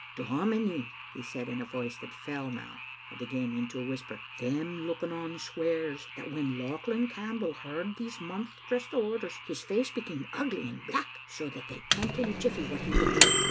" Dominie," he said in a voice that fell now and again into a whisper, "them looking on swears that when Lauchlan Campbell heard these monstrous orders his face became ugly and black, so that they kent in a jiflfy what he would do.